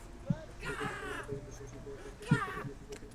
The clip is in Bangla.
তিনি পপুলার ডায়াগনস্টিক সেন্টারে তিন বছর ধরে টেলিফোন অপারেটরের কাজ করে আসছেন।